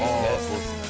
そうですね。